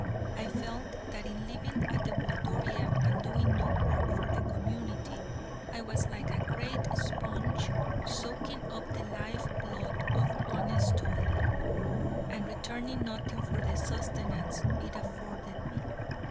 I felt that in living at the Waldoria, and doing no work for the community, I was like a great sponge soaking up the life blood of honest toil, and returning nothing for the sustenance it afforded me.